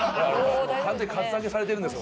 完全にカツアゲされてるんですほら。